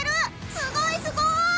すごいすごい！